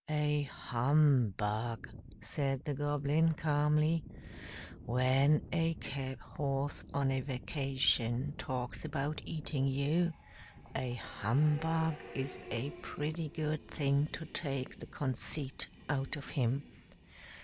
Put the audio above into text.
"A Hum Bug," said the Goblin, calmly. "When a cab horse on a vacation talks about eating you, a Hum Bug is a pretty good thing to take the conceit out of him.